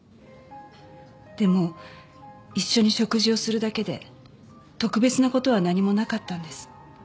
でも一緒に食事をするだけで特別な事は何もなかったんです。